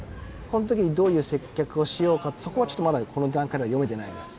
この時にどういう接客をしようかってそこはちょっとまだこの段階では読めてないです。